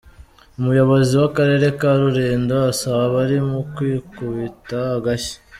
Umuyobozi w’Akarere ka Rulindo asaba abarimu kwikubuta agashyi.